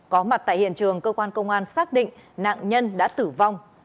có mặt tại hiện trường cơ quan công an xác định nạn nhân đã tử vong